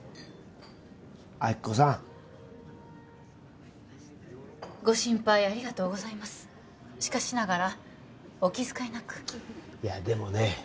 亜希子さんご心配ありがとうございますしかしながらお気遣いなくいやでもね